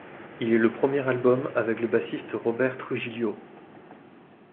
Il est le premier album avec le bassiste Robert Trujillo.